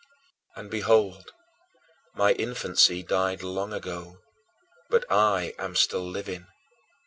9. And, behold, my infancy died long ago, but I am still living.